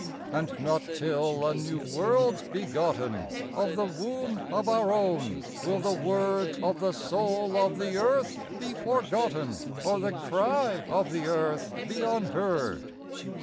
And not till a new world 's begotten Of the womb of our own, will the word Of the soul of the earth be forgotten, Or the cry of the earth be unheard.